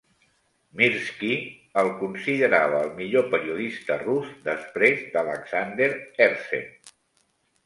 Mirsky el considerava el millor periodista rus després d'Alexander Herzen.